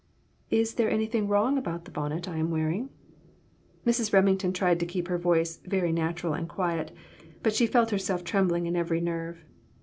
"Is there anything wrong about the bonnet I am wearing?" Mrs. Remington tried to keep her voice natural and quiet ; but she felt herself trembling in every nerve.